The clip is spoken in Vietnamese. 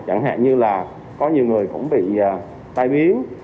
chẳng hạn như là có nhiều người cũng bị tai biến